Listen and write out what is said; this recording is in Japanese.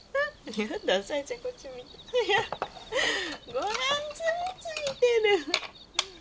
ごはん粒ついてる。